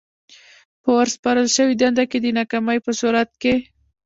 په ورسپارل شوې دنده کې د ناکامۍ په صورت کې.